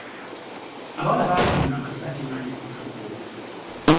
Abawala baatunda amasaati mangi ku lunaku olwo.